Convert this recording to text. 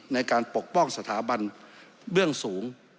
ปกป้องสถาบันเบื้องสูง